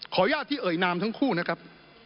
อนุญาตที่เอ่ยนามทั้งคู่นะครับ